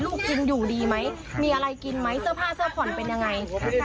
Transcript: กินอยู่ดีไหมมีอะไรกินไหมเสื้อผ้าเสื้อผ่อนเป็นยังไง